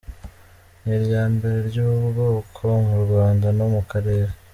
Ni iryambere ry’ubu bwoko mu Rwanda no mu karere.